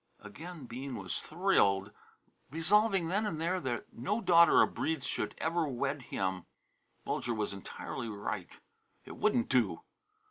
Again Bean was thrilled, resolving then and there that no daughter of Breede's should ever wed him. Bulger was entirely right. It wouldn't do.